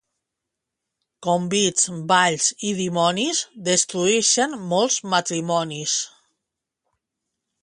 Convits, balls i dimonis destrueixen molts matrimonis.